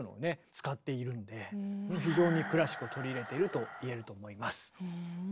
使っているんで非常にクラシックを取り入れてると言えると思います。